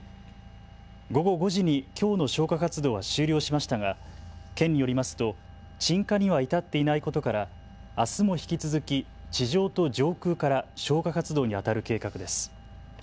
午後５時にきょうの消火活動は終了しましたが県によりますと鎮火には至っていないことからあすも引き続き地上と上空から消火活動にあたる計画です。